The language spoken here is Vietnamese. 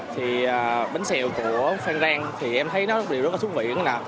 thì bánh xèo của phan rang thì em thấy nó rất là thú vị